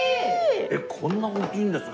こんな大きいんですか？